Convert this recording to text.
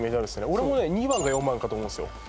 俺もね２番か４番かと思うんですよ